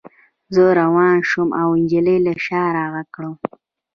زه روان شوم او نجلۍ له شا را غږ کړ